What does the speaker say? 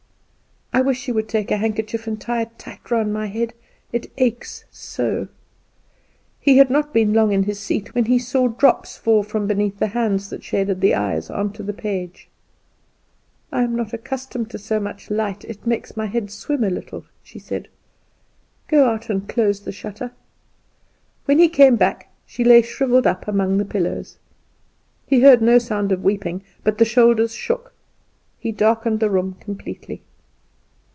"I wish you would take a handkerchief and tie it tight round my head, it aches so." He had not been long in his seat when he saw drops fall from beneath the hands that shaded the eyes, on to the page. "I am not accustomed to so much light, it makes my head swim a little," she said. "Go out and close the shutter." When he came back, she lay shrivelled up among the pillows. He heard no sound of weeping, but the shoulders shook. He darkened the room completely.